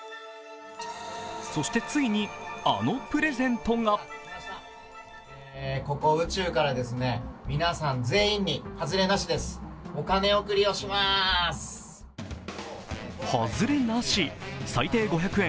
そしてついに、あのプレゼントがハズレなし、最低５００円